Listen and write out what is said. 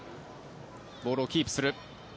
ボールをキープする。